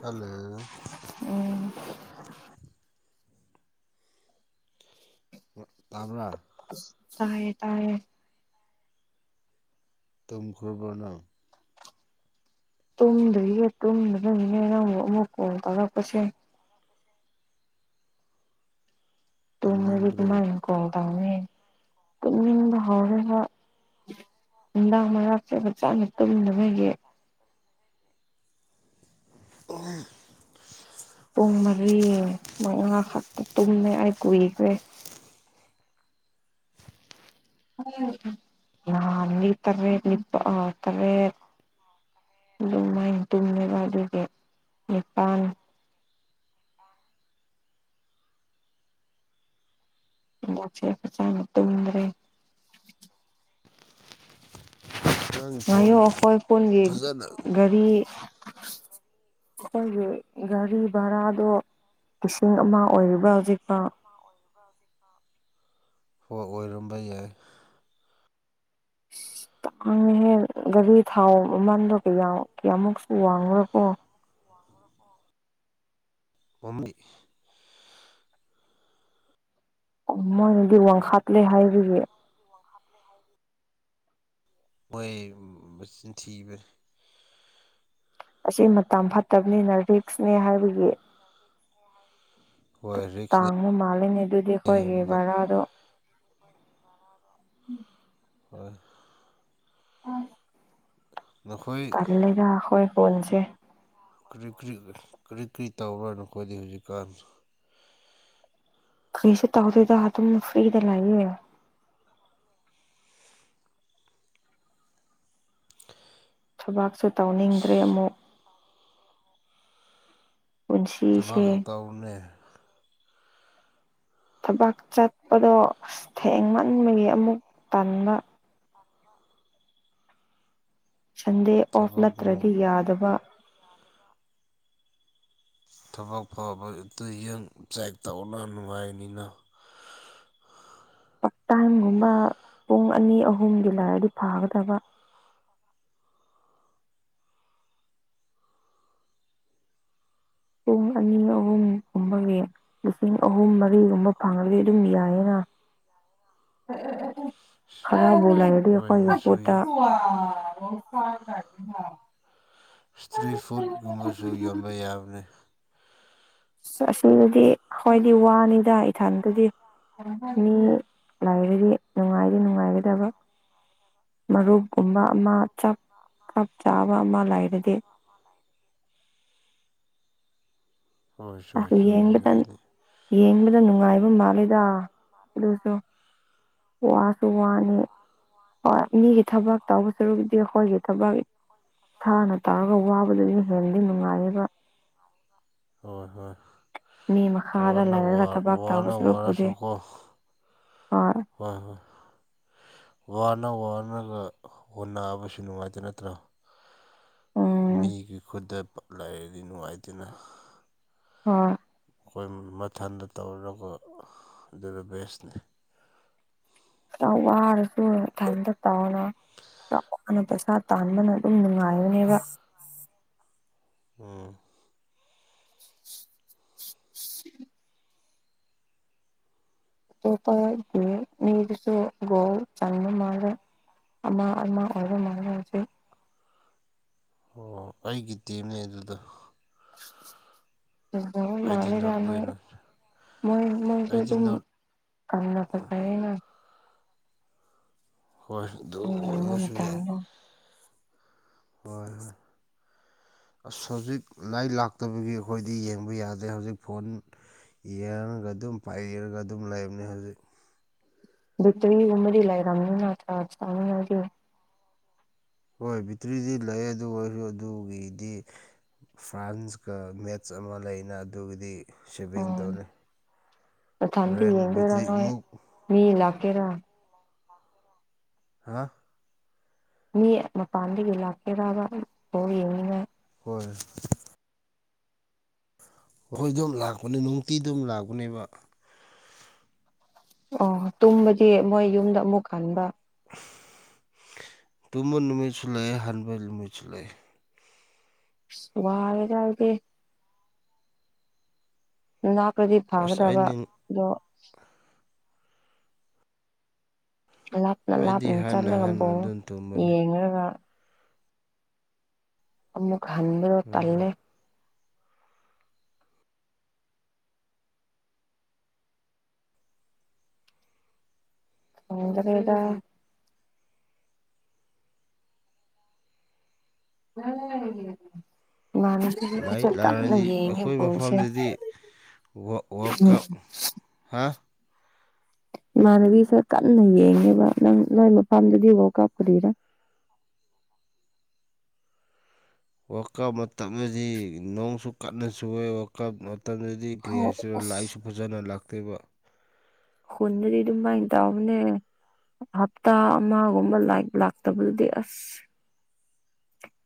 ꯇꯜꯂꯦ ꯎꯝ ꯇꯕ꯭ꯔ ꯇꯥꯏꯌꯦ ꯇꯥꯏꯌꯦ ꯇꯨꯝꯈ꯭ꯔꫭꯕꫭ ꯅꯪ ꯇꯨꯝꯗ꯭ꯔꯤꯌꯦ ꯇꯨꯝꯗꯕꯒꯤꯅꯦ ꯅꯪꯕꯨ ꯑꯃꯨꯛ ꯀꯣꯟ ꯇꯥꯔꯛꯄꯁꯦ ꯇꯣꯡꯃꯗꯤ ꯇꯨꯝꯅꯤꯡꯕ꯭ꯔꯣ ꯀꯃꯥꯏꯅ ꯀꯣꯜ ꯇꯧꯅꯤ ꯇꯨꯝꯅꯤꯡꯕ ꯍꯧꯔꯦ ꯍꯣꯢ ꯅꯨꯡꯗꯥꯡ ꯃꯔꯛꯁꯦ ꯐꯖꯅ ꯇꯨꯝꯗꯕꯒꯤ [unintelligible] ꯄꯨꯡ ꯃꯔꯤ ꯃꯉꯈꯛꯇ ꯇꯨꯝꯃꯦ ꯑꯩ ꯀꯨꯏꯈ꯭ꯔꯦ ꯅꯥꯍꯟꯗꯤ ꯇꯔꯦꯠ ꯅꯤꯄ ꯑ ꯇꯔꯦꯠ ꯑꯗꯨꯝ ꯃꯥꯏꯅ ꯇꯨꯝꯃꯦꯕ ꯑꯗꯨꯒꯤ ꯅꯤꯄꯥꯟ ꯌꯥꯟ [inaudible] ꯃꫭꯔꯄ ꯍꯦꯄ [unintelligible] ꯆꯪꯡ ꯇꯗ꯭ꯔꯦ ꯅꯪ ꯉꯥꯏꯌꫭ ꯐꯣꯟꯐꯖꯅ ꯑꯩꯈꯣꯏ ꯄꯨꯟꯒꯤ ꯒꯥꯔꯤ ꯑꯩꯈꯣꯏꯒꯤ ꯒꯥꯔꯤ ꯚꯔꯥꯗꯣ ꯂꯤꯁꯤꯡ ꯑꯃ ꯑꯣꯏꯔꯤꯕ꯭ꯔ ꯍꯧꯖꯤꯛꯐꯥꯎ ꯍꫭꯏ ꯑꯣꯏꯔꯝꯕ ꯌꯥꯏ ꯇꯥꯡꯉꯤꯍꯦ ꯒꯥꯔꯤ ꯊꯥꯎ ꯃꯃꯜꯗꯣꯌꯥ ꯀꯌꯥ ꯀꯌꯥꯃꯨꯛꯁꯨ ꯋꯥꯡꯉꯨꯔꯀꯣ ꯄꯥꯝꯃꯨꯏ ꯃꫭꯏꯅꯗꯤ ꯋꯥꯡꯈꯥꯠꯂꯦ ꯍꯥꯏꯕꯒꯤ ꯋꯥꯡꯈꯠꯂꯦ ꯍꯥꯏꯕꯒꯤ ꯃꯣꯏ ꯃꯆꯤꯟ ꯊꯤꯕꯅꯤ ꯑꯁꯤ ꯃꯇꯝ ꯐꯠꯇꯕꯅꯤꯅ ꯔꯤꯛꯁꯅꯦ ꯍꯥꯏꯕꯒꯤ ꯍꯣꯏ ꯔꯤꯛꯁ ꯅꯤ ꯑꯗꯨ ꯃꯥꯜꯂꯤꯉꯩ ꯑꯗꯨꯗꯤ ꯑꯩꯈꯣꯏꯒꯤ ꯚꯔꯥꯗꯣ ꯎꯝ ꯍꯣꯏ ꯑ ꯅꯈꯣꯏ ꯇꯜ ꯂꯩꯗ ꯑꯈꯣꯏ ꯈꯨꯟꯁꯦ ꯀꯤꯔꯤ ꯀꯤꯔꯤ ꯀꯤꯔꯤ ꯗꯤꯔꯤꯇꯧꯔꯣ ꯅꯈꯣꯏꯗꯤ ꯍꯧꯖꯤꯛꯀꯥꯟ ꯈ꯭ꯔꯤꯁꯨ ꯇꯥꯎꯗꯦꯗ ꯑꯗꯨꯨꯝ ꯐ꯭ꯔꯤꯗ ꯂꯩꯕꯅꯤ ꯊꯕꯥꯛꯁꯨ ꯇꯧꯅꯤꯡꯗ꯭ꯔꯦ ꯑꯃꯨꯛ ꯄꯨꯟꯁꯤꯁꯦ ꯊꯕꯛꯇꯨ ꯇꯎꯅꯦ ꯊꯕꯛ ꯆꯠꯄꯗꯣ ꯊꯦꯡꯃꯟꯕꯒꯤ ꯑꯃꯨꯛ ꯇꯟꯕ ꯁꯟꯗꯦ ꯑꯣꯐ ꯅꯠꯇ꯭ꯔꯗꯤ ꯌꯥꯗꯕ ꯌꯥꯗꯕ ꯊꯕꯛ ꯐꯕꯥ ꯏꯇꯩ ꯆꯦꯛ ꯇꯧꯂ ꯅꯨꯡꯉꯥꯏꯅꯤꯅ ꯇꯥꯠꯇꯥꯏꯝꯒꯨꯝꯕ ꯄꯨꯡ ꯑꯅꯤ ꯑꯍꯨꯝꯒꯤ ꯂꯥꯛꯑꯗꯤ ꯐꯒꯗꯕ ꯄꯨꯡ ꯑꯅꯤ ꯑꯍꯨꯝꯒꯨꯝꯕꯒꯤ ꯂꯤꯁꯤꯡ ꯑꯍꯨꯝ ꯃꯔꯤꯒꯨꯝꯕ ꯐꯪꯉꯗꯤ ꯑꯗꯨꯝ ꯌꯥꯏꯌꯦꯅ ꯈꯔꯥꯕꯨ ꯂꯩꯔ ꯍꯣꯏ ꯑꯗꯨꯁꯨ [unintelligible] ꯏꯁꯇ꯭ꯔꯤ ꯐꯨꯗ ꯀꯨꯝꯕꯁꯨ ꯌꯣꯟꯕ ꯌꯥꯕꯅꯤ ꯑꯁꯤꯗꯨꯗꯤ ꯍꯥꯏꯣꯏꯗꯤ ꯋꯥꯅꯤꯗ ꯏꯊꯥꯟꯗꯗꯤ ꯃꯤ ꯂꯔꯗꯤ ꯅꯨꯡꯉꯥꯏꯔꯤ ꯅꯨꯡꯉꯥꯏꯒꯗꯕ ꯃꯔꯨꯞꯀꯨꯝꯕ ꯑꯃ ꯆꯥꯞ ꯀꯞ ꯆꯥꯕ ꯑꯃ ꯂꯩꯔꯗꯤ ꯀꯣꯏ ꯍꯣ ꯑꯁ ꯆꯅꯤ ꯌꯦꯡꯕꯗ ꯌꯦꯡꯕꯗ ꯅꯨꯡꯉꯥꯏꯕ ꯃꯥꯂꯦꯗ ꯑꯗꯨꯁꯨ ꯋꯥꯁꯨ ꯋꯥꯅꯤ ꯍ ꯃꯤꯒꯤ ꯊꯕꯛ ꯇꯧꯕ ꯁꯔꯨꯗꯤ ꯑꯩꯈꯣꯏꯒꯤ ꯊꯕꯛ ꯊꯥꯅ ꯇꯧꯔꯒ ꯋꯥꯕꯗꯗꯤ ꯍꯦꯟꯅꯗꯤ ꯅꯨꯡꯉꯥꯏꯌꯦꯕ ꯍꯣꯏ ꯍꯣꯏ ꯃꯤ ꯃꯈꯥꯗ ꯋꯥꯅ ꯋꯥ ꯂꯩꯔꯒ ꯊꯕꯛ ꯇꯧꯕ ꯋꯥꯅ ꯋꯥꯔꯁꯨꯀꯣ ꯑ ꯍꯣꯏ ꯍꯣꯏ ꯋꯥꯅ ꯋꯥꯅꯒ ꯑꯣꯟꯅꯕꯁꯨ ꯅꯨꯡꯉꯥꯏꯇꯦ ꯅꯠꯇ꯭ꯔꯥ ꯎꯝ ꯃꯤꯒꯤ ꯈꯨꯗ ꯂꯥꯏꯔꯒꯤ ꯅꯨꯡꯉꯥꯏꯇꯅ ꯑꯣ ꯑꯩꯈꯣꯏ ꯃꯊꯟꯗ ꯇꯧꯔꯔꯒ ꯑꯗꯨꯗ ꯕꯦꯁꯅꯤ ꯋꯥꯔꯁꯨ ꯏꯊ ꯍꯟꯗ ꯇꯥꯅ ꯆꯥꯎꯅ ꯄꯩꯁꯥ ꯇꯥꯟꯕꯅ ꯑꯗꯨꯝ ꯅꯨꯡꯉꯥꯏꯔꯅꯦꯕ ꯑꯥ [inaudible] ꯑꯃꯥ ꯑꯃꯥ ꯑꯣꯏꯔ ꯑꯃꯁꯨ ꯑꯣ ꯑꯩꯒꯤ ꯇꯤꯝꯅꯦ ꯑꯗꯨꯗꯣ ꯑꯗꯨ ꯑꯩꯗꯤ ꯅꯣꯔꯠ ꯃꯥꯂꯒꯅ ꯋꯦꯅ ꯃꯣꯏ ꯃꯣꯏꯁꯨꯦ ꯑꯩꯗꯤ ꯑꯗꯨꯨ ꯅꯣꯔꯠ ꯀꯅ ꯐꯇꯥꯦꯅ ꯍꯣꯏ ꯃꯣꯏ ꯑꯣꯏ ꯌꯦꯡꯕ ꯀꯁꯨ ꯑꯣꯏꯣꯏ ꯃꯇꯝꯗ ꯑꯁ ꯍꯧꯖꯤꯛ ꯂꯥꯏꯔꯤꯛ ꯂꯥꯛꯇꯕꯒꯤ ꯑꯩꯈꯣꯏꯗꯤ ꯌꯦꯡꯕ ꯌꯥꯗꯦ ꯍꯧꯖꯤꯛ ꯐꯣꯟ ꯌꯦꯡꯉꯒ ꯑꯗꯨꯝ ꯄꯥꯏꯔꯒ ꯑꯗꯨꯝ ꯂꯩꯕꯅꯦ ꯍꯧꯖꯤꯛ ꯇꯔꯤ ꯎꯃꯔꯤ ꯂꯩꯥꯏ ꯔꯝꯅꯥ ꯔꯥ ꯁꯅꯥ ꯍꯣꯏ ꯕꯦꯇ꯭ꯔꯤꯗꯤ ꯂꯩ ꯑꯗꯨ ꯑꯣꯏꯔꯁꯨ ꯑꯗꯨꯒꯤꯗꯤ ꯐ꯭ꯔꯥꯟꯁꯀ ꯃꯦꯠꯆ ꯑꯃ ꯂꯩꯅ ꯑꯗꯨꯒꯤꯗꯤ ꯁꯦꯚꯤꯡ ꯎꯝ ꯇꯧꯅꯤꯩ ꯃꯊꯟꯇ ꯍꯣꯔꯦꯟ ꯌꯦꯡꯗꯣꯏꯔꯥ ꯅꯣꯏ ꯕꯤꯇ꯭ꯔꯤꯃꯨꯛ ꯃꯤ ꯏꯂꯀꯦꯔ ꯍꯥ ꯃꯤ ꯃꯄꯥꯟꯗꯒꯤ ꯂꯥꯛꯀꯦꯔꯕ ꯐꯥꯎ ꯌꯦꯡꯉꯉꯥꯏ ꯍꯣꯏ ꯑꯩꯈꯣꯏ ꯑꯗꯨꯝ ꯂꯥꯛꯄꯅꯦ ꯅꯨꯡꯇꯤ ꯑꯗꯨꯝ ꯂꯥꯛꯄꯅꯦꯕ ꯑꯣ ꯇꯨꯝꯕꯗꯤ ꯃꯣꯏ ꯌꯨꯝꯗ ꯑꯃꯨꯛ ꯍꯟꯕ ꯇꯨꯃꯟꯃꯤꯁ ꯂꯩ ꯍꯟꯕꯦꯜꯃꯤꯁ ꯂꯩ ꯁꯋꯥꯜ ꯆꯗ ꯅꯥꯄ꯭ꯔꯗꯤ ꯑꯁ ꯐꯥꯒꯗꯕ ꯑꯩꯅ ꯑꯗꯣ ꯂꯥꯞꯅ ꯑꯩꯗꯤ ꯂꯥꯞꯅ ꯍꯟꯅ ꯆꯠꯂꯒ ꯍꯟꯅ ꯑꯃꯨꯛ ꯑꯗꯨꯝ ꯇꯨꯝꯕꯅꯤ ꯌꯦꯡꯉꯒ ꯑꯃꯨꯛ ꯍꯟꯗꯔꯣ ꯎꯝ ꯇꯜꯦ ꯍꯗ ꯄꯩꯗ ꯃꯥꯅꯤ ꯂꯥꯏꯔꯤꯛ ꯂꯥꯔꯗꯤ ꯑꯩꯈꯣꯏ ꯃꯐꯝꯗꯗꯤ ꯋꯥ ꯎꯝ ꯀꯞ ꯍꯥꯥ ꯏꯃꯥꯟꯅꯕꯤꯁꯦ ꯀꯟꯅ ꯌꯦꯡꯉꯦꯕ ꯅꯪ ꯅꯣꯏ ꯃꯄꯥꯐꯝꯗꯗꯤ ꯕꯥꯎ ꯀꯥꯞꯄꯨꯗꯤꯔꯥ ꯋꯥꯔꯀꯞ ꯃꯇꯝꯗꯗꯤ ꯅꯣꯡꯁꯨ ꯀꯟꯅ ꯁꯨꯑꯦ ꯋꯥꯔꯥꯛꯀꯞ ꯃꯇꯝꯗꯗꯤ ꯁꯤ ꯀꯔꯤ ꯍꯣꯏ ꯍꯥꯏꯁꯤꯗ ꯑꯁ ꯂꯥꯏꯏꯁꯨ ꯐꯖꯅ ꯂꯥꯛꯇꯦꯕ ꯍꯨꯅꯔꯤ ꯑꯗꯨꯃ ꯏ ꯇꯑꯅꯦ ꯍꯞꯇꯥ ꯑꯃꯒꯨꯝꯕ ꯂꯥꯏ ꯂꯥꯛꯇꯕꯗꯤ ꯑꯁ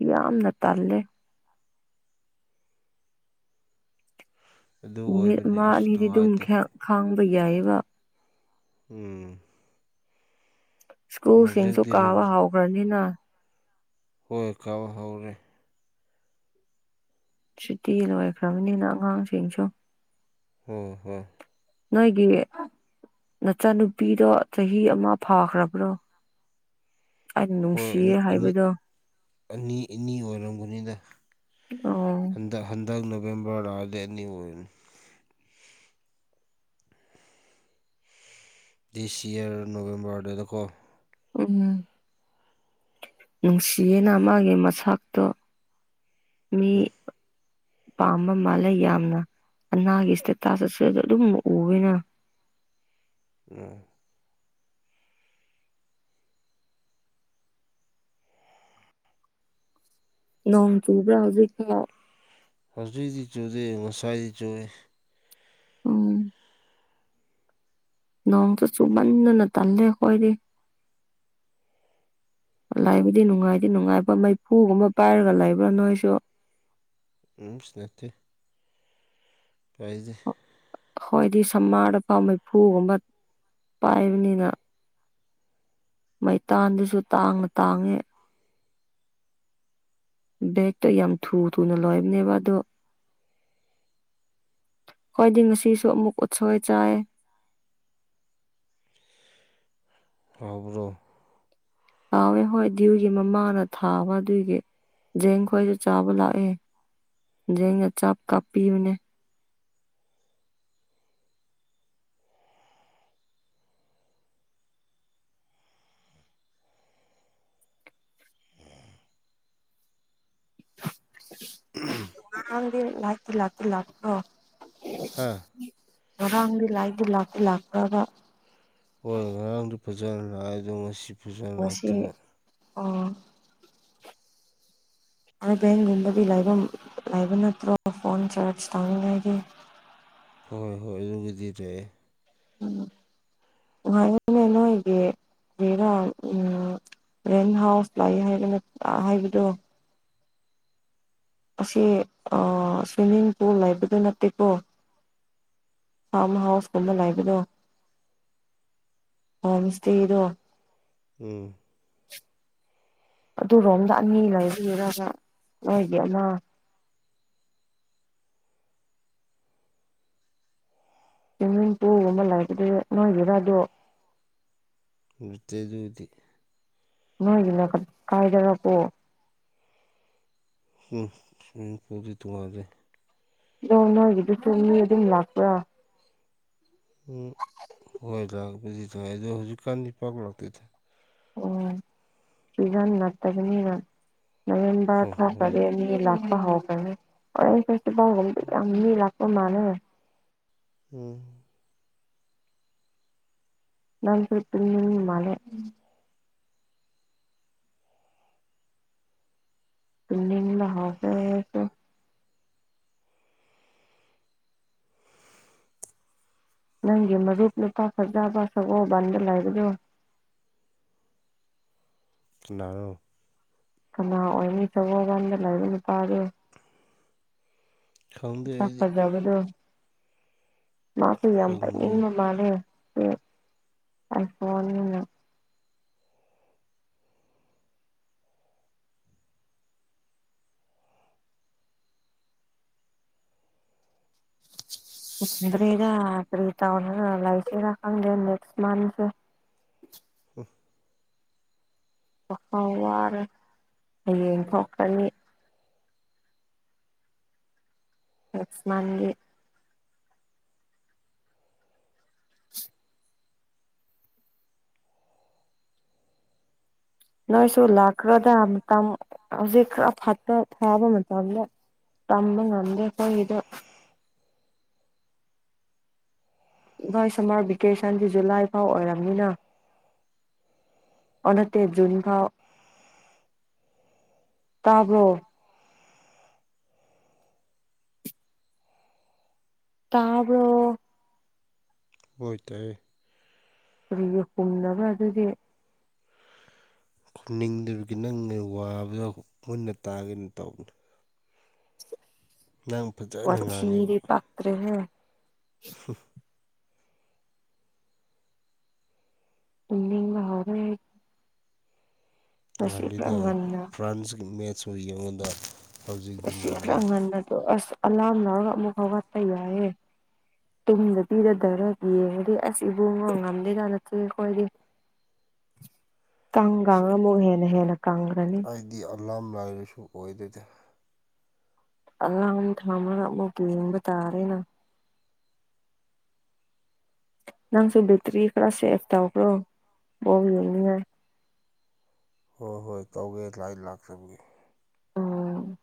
ꯌꯥꯝꯅ ꯇꯜꯂꯦ ꯑꯗꯨ ꯅꯨꯃꯤꯠ ꯑꯣꯏꯕꯅꯤ ꯑꯃ ꯑꯁ ꯑꯅꯤꯗꯤ ꯑꯗꯨꯝ ꯅꯨꯡꯉꯥꯏꯇꯦ ꯈꯥꯡꯕ ꯌꯥꯏꯑꯕ ꯎꯝ ꯏꯁꯀ꯭ꯔꯨꯁꯤꯡꯁꯨ ꯍꯧꯖꯤꯛꯇꯤ ꯀꯥꯕ ꯔꯤꯒꯨ ꯍꯧꯥꯎꯈ꯭ꯔꯅꯤꯅ ꯍꯣꯏ ꯀꯥꯎ ꯍꯧꯔꯦ ꯁꯨꯇꯤ ꯂꯣꯏꯈ꯭ꯔꯕꯅꯤꯅ ꯑꯉꯥꯡꯁꯤꯡꯁꯨ ꯍ ꯍꯣ ꯅꯣꯏꯒꯤ ꯅꯆꯥꯅꯨꯄꯤꯗꯣ ꯆꯍꯤ ꯑꯃ ꯐꯥꯈ꯭ꯔꯕ꯭ꯔꯣ ꯑꯩꯅ ꯍꯣꯏ ꯅꯨꯡꯁꯤꯌꯦ ꯑꯅꯤ ꯍꯥꯏꯕꯗꯣ ꯑꯅꯤ ꯑꯅꯤ ꯑꯣꯏꯔꯝꯒꯅꯤꯗ ꯑꯣ ꯍꯟꯗꯛ ꯍꯟꯗꯛ ꯅꯕꯦꯝꯕꯔꯥ ꯗꯦꯠ ꯑꯅꯤ ꯑꯣꯏꯔꯅꯤ ꯗꯤꯁ ꯌꯌꯥꯔ ꯅꯣꯕꯦꯝꯕꯔꯗꯨꯗꯀꯣ ꯎꯝ ꯅꯨꯡꯁꯤꯌꯦꯅ ꯃꯥꯒꯤ ꯃꯁꯇꯣ ꯃꯤ ꯄꯥꯝꯕ ꯃꯥꯜꯂꯦ ꯌꯥꯝꯅ ꯑꯅꯥꯒꯤ ꯏꯁꯇꯦꯇꯥꯁ ꯑꯁꯤ ꯑꯗꯨꯝ ꯎꯕ ꯑꯣꯏꯅ ꯎ ꯅꯣꯡ ꯆꯨꯕ꯭ꯔꯥ ꯍꯧꯖꯤꯛ ꯍꯧꯖꯤꯗꯤ ꯆꯨꯗꯦ ꯉꯁꯥꯏꯗꯤ ꯆꯨꯏ ꯎꯝ ꯅꯣꯡ ꯆ ꯆꯨꯃꯟꯟꯅꯅ ꯇꯜꯂꯦ ꯑꯩꯈꯣꯏꯗꯤ ꯂꯥꯏꯕꯨꯗꯤ ꯅꯨꯡꯉꯥꯏꯗꯤ ꯅꯨꯡꯉꯥꯏꯕ ꯃꯩꯐꯨꯒꯨꯝꯕ ꯄꯥꯏꯔꯒ ꯂꯩꯕ꯭ꯔꯥ ꯅꯣꯏꯁꯨ ꯎꯝ ꯁꯤꯅꯦꯇꯦ ꯇꯥꯏꯖꯦ ꯍꯣꯏꯗꯤ ꯁꯝꯃꯥꯔꯗ ꯃꯩꯐꯨꯒꯨꯝꯕ ꯄꯥꯏꯕꯅꯤꯅ ꯃꯩꯇꯥꯟꯗꯨꯁꯨ ꯇꯥꯡꯅ ꯇꯥꯡꯉꯦ ꯕꯦꯒꯛꯇꯣ ꯌꯥꯝ ꯊꯨ ꯊꯨꯅ ꯂꯣꯏꯕꯅꯦꯕ ꯑꯗꯣ ꯈ꯭ꯋꯥꯏꯗꯤ ꯉꯁꯤꯁꯨ ꯑꯃꯨꯛ ꯎꯠꯁꯣꯏ ꯆꯥꯏ ꯈꯕ꯭ꯔꯣ ꯇꯥꯎꯋꯦ ꯍꯣꯏ ꯗ꯭ꯌꯨꯒꯤ ꯃꯃꯥꯅ ꯊꯥꯕ ꯑꯗꯨꯒꯤ ꯖꯦꯡ ꯈꯣꯏꯁꯨ ꯆꯥꯕ ꯂꯥꯛꯑꯦ ꯌꯦꯖ ꯑꯆꯥꯞ ꯀꯥꯞꯄꯤꯌꯨꯅꯦ ꯑꯣ [unintelligible] ꯎꯝ ꯂꯥꯛꯇ ꯂꯥꯛꯇ ꯂꯥꯛ ꯍꯥꯥ ꯉꯔꯥꯡꯗꯤ ꯂꯥꯏꯗꯤ ꯂꯥꯛꯇ ꯂꯥꯛꯄꯕ ꯍꯣꯏ ꯉꯔꯥꯡꯗꯨ ꯐꯖꯅ ꯂꯥꯛꯑꯦꯗꯣ ꯉꯁꯤ ꯐꯖꯅ ꯃꯁꯤ ꯂꯥꯛꯇꯦꯕ ꯑ ꯕꯦꯟꯒꯨꯝꯕꯗꯤꯕ ꯂꯥꯏꯕ ꯅꯠꯇ꯭ꯔꯣ ꯐꯣꯟ ꯆꯥꯔꯖ ꯇꯥꯅꯤꯡꯉꯥꯏꯒꯤ ꯍꯣꯏ ꯍꯣꯏ ꯑꯗꯨꯒꯤꯗꯤꯔꯑꯦ ꯎꯝ ꯅꯣꯣꯏꯒ ꯔꯥ ꯎ ꯔꯦꯟ ꯍꯥꯎꯁ ꯂꯥꯛꯑꯦ ꯍꯥꯏꯒꯅ ꯍꯥꯏꯕꯗꯣ ꯑꯁꯤ ꯁ꯭ꯋꯤꯃꯤꯡ ꯄꯨꯜ ꯍꯥꯏꯕꯗꯨ ꯅꯠꯇꯦꯀꯣ ꯐꯥꯔꯝ ꯍꯥꯎꯁꯀꯨꯝꯕ ꯂꯩꯕꯗꯣ ꯍꯣꯝ ꯏꯁꯇꯦꯗꯣ ꯎꯝ ꯑꯗꯨꯔꯣꯝꯗ ꯑꯅꯤ ꯂꯩꯔꯔꯒ ꯅꯣꯏꯒꯤ ꯑꯃ ꯁ꯭ꯋꯤꯝꯃꯤꯡ ꯄꯨꯜꯒꯨꯝꯕ ꯂꯩꯕꯗꯨ ꯅꯣꯏꯒꯤꯔꯥꯗꯣ ꯠꯇꯦꯖꯗꯤ ꯅꯣꯏꯒꯤꯅ ꯈ ꯀꯥꯏꯗꯔꯀꯣ ꯎꯝ ꯎ ꯀꯗꯤ ꯇꯅꯨꯡꯉꯥꯏꯖꯦ ꯅ ꯅꯣꯏꯒꯤꯗꯨꯁꯨ ꯃꯤ ꯑꯗꯨꯝ ꯂꯥꯛꯄ꯭ꯔꯥ ꯎꯝ ꯍꯣꯏ ꯂꯥꯛꯄꯗꯤ ꯊꯥꯏꯥꯏ ꯑꯗꯣ ꯍꯧꯖꯤꯛꯀꯥꯟꯗꯤ ꯄꯥꯛ ꯂꯥꯛꯇꯦꯗꯥꯏ ꯑꯣ ꯁꯤꯖꯟ ꯅꯠꯇꯕꯅꯤꯅ ꯅꯕꯦꯝꯕꯔ ꯎꯝ ꯎꯝ ꯊꯣꯛꯀꯔꯦ ꯑꯅꯤ ꯂꯥꯛ ꯥꯎ ꯐ ꯌꯥꯝꯃꯤ ꯂꯥꯛꯄ ꯃꯥꯅ ꯎꯝ ꯅꯪ ꯄ ꯏꯠꯇ ꯃꯂꯦ ꯇꯅ ꯍ [unintelligible] ꯅꯪꯒꯤ ꯃꯔꯨꯞ ꯅꯨꯄꯥ ꯁꯛꯖꯕ ꯁꯒꯣꯕꯟꯗ ꯂꯥꯏꯕꯗꯣ ꯏꯅꯥꯅꯨ ꯀꯅꯥ ꯑꯣꯏꯔꯅꯤ ꯁꯒꯣꯀꯥꯟꯗ ꯂꯩꯔ ꯅꯨꯄꯥꯗꯣ ꯈꯪꯗꯦ ꯆ ꯑꯩꯗꯤ ꯐꯖꯕꯗꯣ ꯃꯥ ꯄꯤ ꯌꯥꯝ ꯈꯪꯗꯦ ꯏꯟꯅ ꯃꯥꯅꯦ ꯐ ꯗ꯭ꯔꯦꯗ ꯀꯔꯤ ꯇꯅ ꯂꯩꯁꯤꯔ ꯈꯪꯗꯦ ꯅꯦꯛꯁ ꯃꯟꯊꯁꯦ ꯀꯨ ꯑꯩ ꯑꯦꯝꯐꯧ ꯐꯅꯤ ꯌꯥꯁꯃꯥꯟꯒꯤ ꯅꯣꯏꯁꯨ ꯂꯥꯛꯀ꯭ꯔꯗ ꯃꯇꯝ ꯍꯧꯖꯤꯛ ꯈꯔ ꯐꯠꯇ ꯊꯥꯕ ꯃꯇꯝꯗ ꯇꯝ ꯅꯪꯒꯦꯀ ꯏ ꯍꯣꯏ ꯁꯝꯃꯔ ꯚꯦꯀꯦꯁꯟꯁꯤ ꯖꯨꯂꯥꯏ ꯐꯥꯎ ꯑꯣꯏꯔꯕꯝꯅꯤꯅ ꯑꯣꯠꯇ ꯨꯟ ꯐꯥꯎ ꯇꯥꯕꯣ ꯇꯥꯕ꯭ꯔꯣ ꯑꯣꯏ ꯇꯥꯏ ꯀꯔꯤꯒ ꯀꯨꯝꯅꯕ ꯑꯗꯨꯗꯤ ꯈꯣꯡꯅꯤꯡꯗꯕꯒꯤ ꯅꯪ ꯋꯥꯕꯗꯣ ꯃꯨꯟꯅ ꯇꯥꯒꯦꯅ ꯇꯧꯕꯅꯤ ꯉ ꯌꯥꯝ ꯐꯖꯩ ꯋꯥ ꯆꯤꯔꯤ ꯄꯥꯇ꯭ꯔꯦ ꯏ ꯍꯔ ꯍꯥꯏ ꯈꯔ ꯉꯜꯂꯤꯗ ꯉꯟꯅ ꯐ꯭ꯔꯥꯟꯁꯀꯤ ꯃꯦꯠꯁꯁꯨ ꯌꯦꯡꯉꯣꯟꯗ ꯃꯁꯤ ꯈꯔ ꯉꯟꯅꯕꯗꯣ ꯑꯁ ꯑꯂꯥꯝ ꯂꯧꯔꯒ ꯑꯃꯨꯛ ꯍꯧꯒꯠꯄ ꯌꯥꯏꯌꯦꯦ ꯇꯨꯝꯗ ꯄꯤꯗꯗꯔ ꯌꯦꯡꯉꯗꯤ ꯑꯁ ꯏꯕꯨꯡꯉꯣ ꯉꯝꯗꯦ ꯀꯥ ꯅꯠꯇꯦ ꯑꯩꯈꯣꯏꯗꯤ ꯀꯪꯒ ꯑꯃꯨꯛ ꯍꯦꯟꯅ ꯍꯦꯟꯅ ꯀꯪꯈ꯭ꯔꯅꯤ ꯒꯤꯗꯤ ꯑꯂꯥꯝ ꯂꯥꯏꯔꯁꯨ ꯑꯣꯏꯗꯗꯦ ꯑꯉꯥꯡ ꯊꯝꯃꯒ ꯑꯃꯨꯛ ꯌꯦꯡꯕ ꯇꯥꯔꯦꯅ ꯅꯪꯁꯨ ꯕꯦꯇ꯭ꯔꯤ ꯈꯔ ꯁꯦꯐ ꯇꯧꯈ꯭ꯔꯣ ꯕꯣ ꯌꯦꯅꯤꯉ ꯍꯣꯏ ꯍꯣꯏ ꯇꯧꯒꯦ ꯂꯥꯏ ꯂꯥꯛꯆꯕꯒꯦ ꯑꯣ